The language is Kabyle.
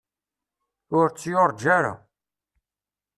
Ur tt-yurǧa ara.